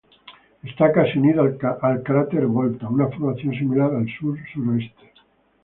Está casi unido al cráter Volta, una formación similar al sur-sureste.